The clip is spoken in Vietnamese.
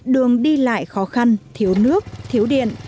đường đi lại khó khăn thiếu nước thiếu điện